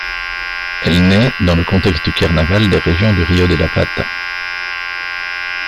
Elle naît dans le contexte du carnaval des régions du Rio de la Plata.